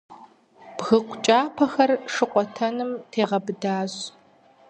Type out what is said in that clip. Бгыкъу кӀапэхэр шыкъуэтэным тегъэбыдащ.